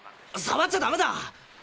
さわっちゃダメだ！